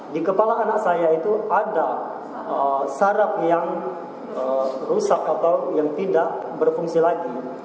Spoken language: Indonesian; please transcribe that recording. di kepala anak saya itu ada sarap yang rusak atau yang tidak berfungsi lagi